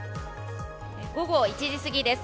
午後１時すぎです。